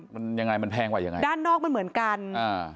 มันยังไงมันแพงกว่ายังไงด้านนอกมันเหมือนกันอ่า